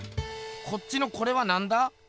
こっちのこれはなんだ？